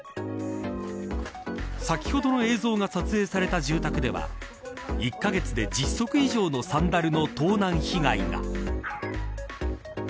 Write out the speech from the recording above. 先ほどの映像が撮影された住宅では１カ月で１０足以上のサンダルの盗難被害が。